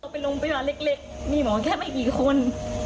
ไปโรงพยาบาลเล็กมีหมอแค่ไม่กี่คน